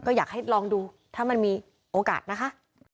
อยากให้ลองดูถ้ามันมีโอกาสนะคะ